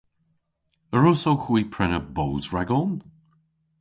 A wrussowgh hwi prena boos ragon?